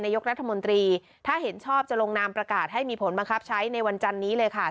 ยกรัฐมนตรีถ้าเห็นชอบจะลงนามประกาศให้มีผลบังคับใช้ในวันจันนี้เลยค่ะ